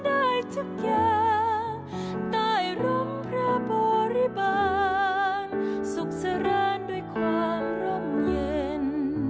ได้ทุกอย่างใต้รมพระบริบาลสุขสรรานด้วยความร่มเย็น